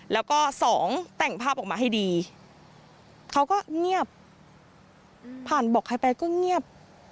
แล้วก็สองแต่งภาพออกมาให้ดีเขาก็เงียบผ่านบอกใครไปก็เงียบ